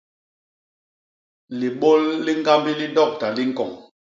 Libôl li ñgambi li dokta li ñkoñ.